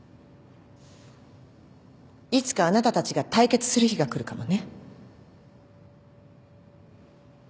いつかあなたたちが対決する日が来るかもね。